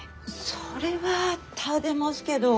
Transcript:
それは立でますけど。